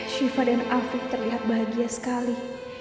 syifa dan afiq terlihat bahagia sekali